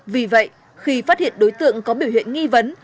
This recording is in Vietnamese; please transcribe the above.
vì vậy khi phát hiện đối tượng có biểu hiện nghi vấn